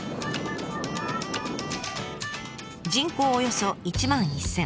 人口およそ１万１，０００。